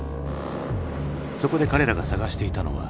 そこで彼らが探していたのは。